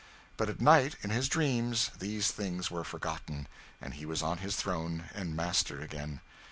But at night, in his dreams, these things were forgotten, and he was on his throne, and master again.